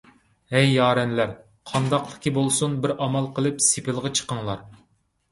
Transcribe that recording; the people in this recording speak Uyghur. ھەي يارەنلەر! قانداقلىكى بولسۇن بىر ئامال قىلىپ سېپىلغا چىقىڭلار.